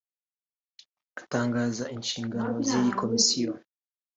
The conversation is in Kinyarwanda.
Atangaza inshingano z’iyi komisiyo